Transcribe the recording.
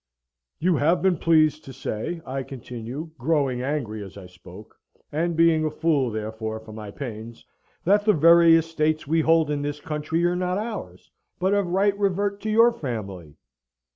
"You have been pleased to say," I continued, growing angry as I spoke, and being a fool therefore for my pains, "that the very estates we hold in this country are not ours, but of right revert to your family!"